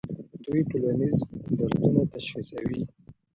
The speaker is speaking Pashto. دوی ټولنیز دردونه تشخیصوي.